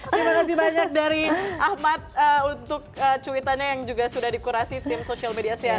terima kasih banyak dari ahmad untuk cuitannya yang juga sudah di kurasi tim social media cnn